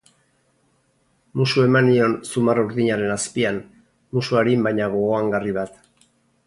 Musu eman nion zumar urdinaren azpian, musu arin baina gogoangarri bat.